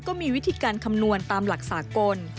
ก็มีวิธีการคำนวณตามหลักสากล